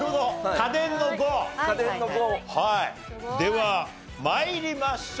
家電の５。では参りましょう。